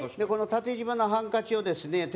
この縦じまのハンカチをですね